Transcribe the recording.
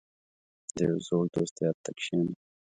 • د یو زوړ دوست یاد ته کښېنه.